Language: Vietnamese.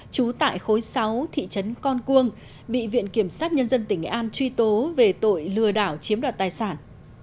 trú tại khối sáu thị trấn con cuông bị viện kiểm sát nhân dân tỉnh nghệ an truy tố về tội lừa đảo chiếm đoạt tài sản